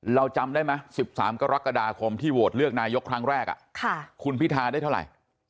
จำได้ไหม๑๓กรกฎาคมที่โหวตเลือกนายกครั้งแรกคุณพิทาได้เท่าไหร่